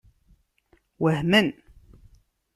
Wehmen.